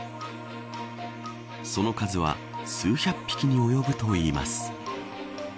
その数は、数百匹に及ぶといいます。